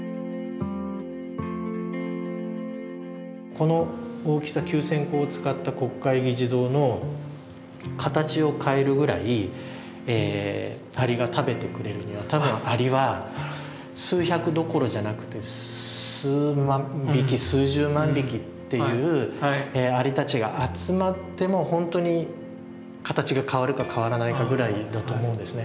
この大きさ９，０００個を使った国会議事堂の形を変えるぐらい蟻が食べてくれるには多分蟻は数百どころじゃなくて数万匹数十万匹っていう蟻たちが集まってもほんとに形が変わるか変わらないかぐらいだと思うんですね。